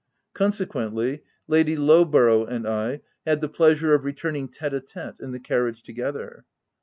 Consequently, Lady Lowborough and I had the pleasure of returning tete a tete in the car riage together.